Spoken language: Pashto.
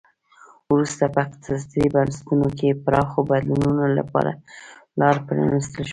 وروسته په اقتصادي بنسټونو کې پراخو بدلونونو لپاره لار پرانیستل شوه.